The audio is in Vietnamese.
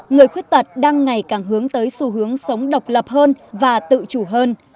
người khuyết tật đang ngày càng hướng tới xu hướng sống độc lập hơn và tự chủ hơn